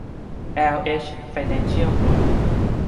แอล เอช ไฟแนนซ์เชียล กรุ๊ป